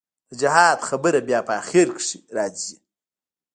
د جهاد خبره بيا په اخر کښې رځي.